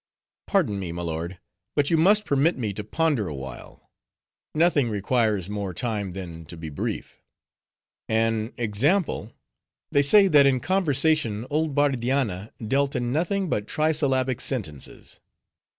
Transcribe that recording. "Pardon me, my lord, but you must permit me to ponder awhile; nothing requires more time, than to be brief. An example: they say that in conversation old Bardianna dealt in nothing but trisyllabic sentences.